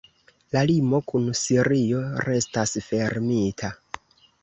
La limo kun Sirio restas fermita.